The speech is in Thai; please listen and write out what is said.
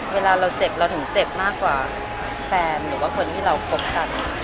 เวลาเราเจ็บเราถึงเจ็บมากกว่าแฟนหรือว่าคนที่เราคบกัน